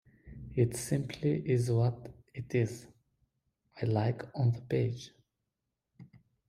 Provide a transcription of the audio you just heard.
It simply is what it is... a like on the page.